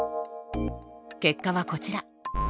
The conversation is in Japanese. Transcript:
結果はこちら。